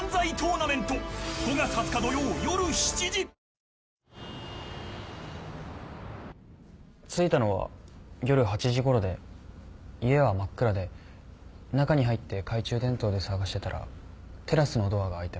ビオレ泡ハンドソープ」着いたのは夜８時ごろで家は真っ暗で中に入って懐中電灯で捜してたらテラスのドアが開いてました。